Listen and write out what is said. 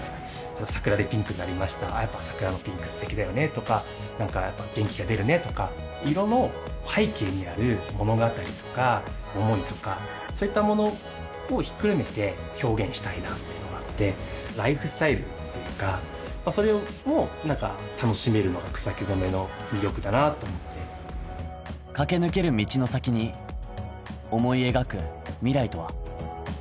桜でピンクになりましたああやっぱ桜のピンク素敵だよねとかなんかやっぱ元気が出るねとか色の背景にある物語とか思いとかそういったものをひっくるめて表現したいなっていうのがあってライフスタイルというかそれもなんか楽しめるのが草木染めの魅力だなと思って駆け抜ける道の先に思い描く未来とは？